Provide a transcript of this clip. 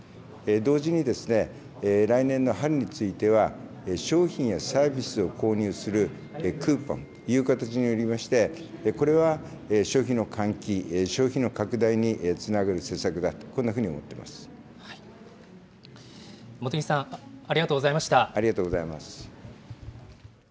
同時に来年の春については、商品やサービスを購入するクーポンという形によりまして、これは消費の喚起、消費の拡大につなげる施策だと、茂木さん、ありがとうございありがとうございます。